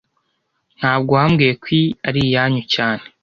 Ntago wambwiye ko iyi ari iyanyu cyane